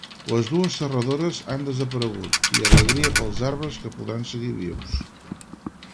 Les dues serradores han desaparegut i alegria pels arbres que podran seguir vius